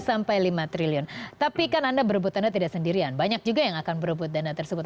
sampai lima triliun tapi kan anda berebut tanda tidak sendirian banyak juga yang akan berebut dana tersebut